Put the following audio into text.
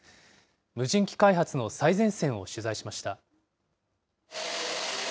無人機開発の最前線を取材しました。